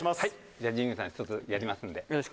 じゃあ神宮寺さんひとつやりますんで。